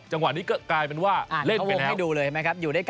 จังหวะนี้ก็กลายเป็นว่าเล่นไปแล้ว